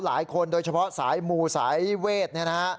หลายคนโดยเฉพาะสายมูสายเวศนะฮะ